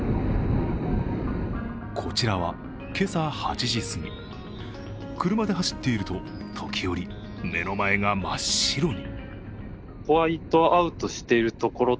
こちらは今朝８時すぎ、車で走っていると時折目の前が真っ白に。